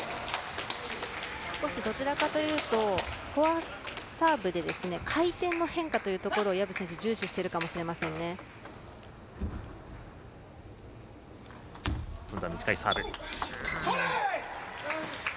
少し、どちらかというとフォアサーブで回転の変化というのを岩渕選手重視してるかもしれませんね。